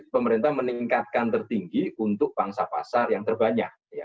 pemerintah meningkatkan tertinggi untuk bangsa pasar yang terbanyak